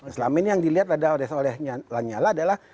selama ini yang dilihat oleh lanyala adalah